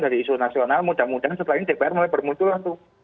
dari isu nasional mudah mudahan setelah ini dpr mulai bermunculan tuh